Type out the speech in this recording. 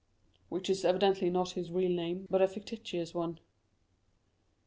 '" "Which is evidently not his real name, but a fictitious one."